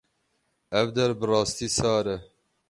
Ev der bi rastî sar e.